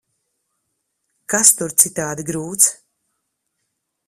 Kas tur citādi grūts?